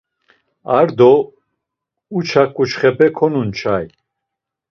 Ar do uça ǩuçxepe konunçay.